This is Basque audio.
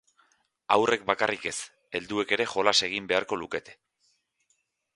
Haurrek bakarrik ez, helduek ere jolas egin beharko lukete.